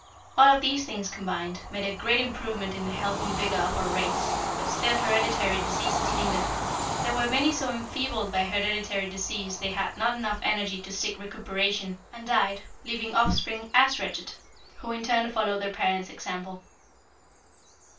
"All of these things combined, made a great improvement in the health and vigor of our race, but still hereditary diseases lingered. "There were many so enfeebled by hereditary disease they had not enough energy to seek recuperation, and died, leaving offspring as wretched, who in turn followed their parents' example.